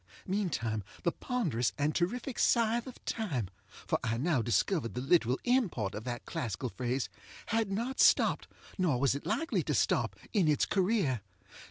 Meantime the ponderous and terrific Scythe of Time (for I now discovered the literal import of that classical phrase) had not stopped, nor was it likely to stop, in its career.